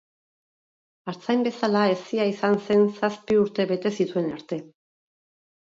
Artzain bezala hezia izan zen zazpi urte bete zituen arte.